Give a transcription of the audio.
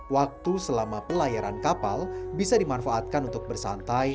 waktu selama pelayaran kapal bisa dimanfaatkan untuk bersantai